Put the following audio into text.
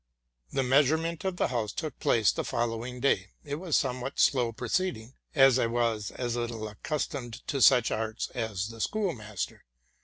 The measurement of the house took place the following day. It was a somewhat slow proceeding, as I was as little accus tomed to such arts as the schoolmaster.